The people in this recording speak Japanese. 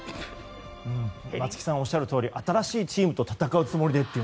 松木さんおっしゃるとおり新しいチームと戦うつもりでと。